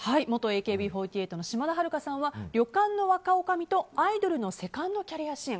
元ＡＫＢ４８の島田晴香さんは旅館の若おかみとアイドルのセカンドキャリア支援。